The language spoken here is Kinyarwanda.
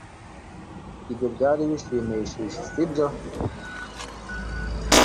Ibyo byari bishimishije, sibyo?